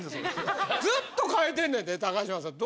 ずっと替えてんねんで高島さん。